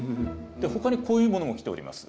ほかにこういうものも来ております。